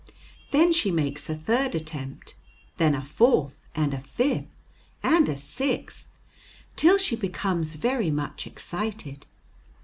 Then she makes a third attempt, then a fourth, and a fifth, and a sixth, till she becomes very much excited.